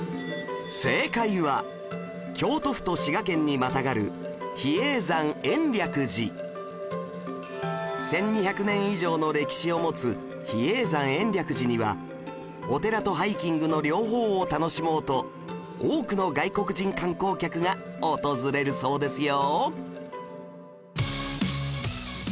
正解は京都府と滋賀県にまたがる比叡山延暦寺１２００年以上の歴史を持つ比叡山延暦寺にはお寺とハイキングの両方を楽しもうと多くの外国人観光客が訪れるそうですよ